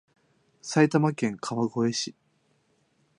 埼玉県川越市